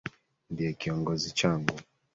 Ndiye Kiongozi changu.